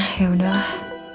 ya udah lah